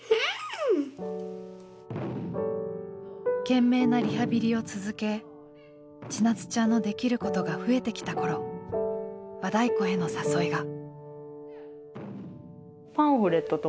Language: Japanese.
懸命なリハビリを続けちなつちゃんのできることが増えてきた頃和太鼓への誘いが。